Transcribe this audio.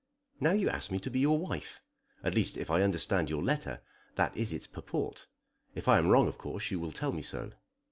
Now you ask me to be your wife; at least, if I understand your letter, that is its purport. If I am wrong, of course you will tell me so.